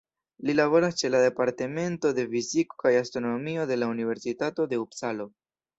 Li laboras ĉe la Departemento de Fiziko kaj Astronomio de la Universitato de Upsalo.